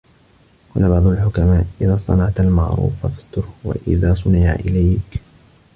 قَالَ بَعْضُ الْحُكَمَاءِ إذَا اصْطَنَعَتْ الْمَعْرُوفَ فَاسْتُرْهُ ، وَإِذَا صُنِعَ إلَيْك